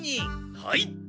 はい！